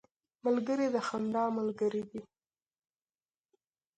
ملګری د خندا ملګری دی